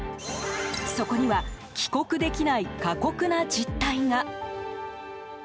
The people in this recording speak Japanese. そこには帰国できない過酷な実態が。